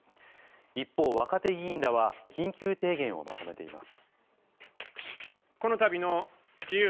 一方、若手議員らは緊急提言をまとめています。